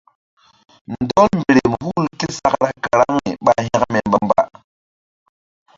Ndɔl mberem hul ké sakra karaŋri ɓa hȩkme mbamba.